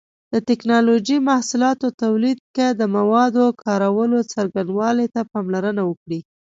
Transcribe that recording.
د ټېکنالوجۍ محصولاتو تولید کې د موادو کارولو څرنګوالي ته پاملرنه وکړئ.